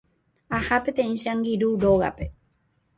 Aha peteĩ che angirũ rógape.